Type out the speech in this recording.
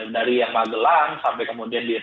dari yang magelang sampai kemudian yang berubah